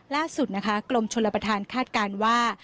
ล่าสุดนะคะกรมชลประธานคาดการณ์ว่า